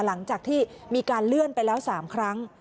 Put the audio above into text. หลังจากที่มีการเลื่อนไปแล้ว๓ครั้ง